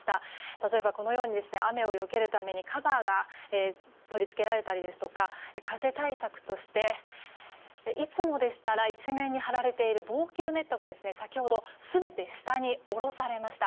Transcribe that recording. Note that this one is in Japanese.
例えば、雨をよけるためにカバーが取り付けられたり風対策としていつもでしたら一面に張られる防球ネットが先ほど全て下に下ろされました。